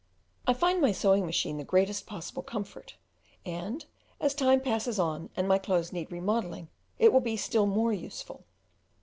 I find my sewing machine the greatest possible comfort, and as time passes on and my clothes need remodelling it will be still more use ful.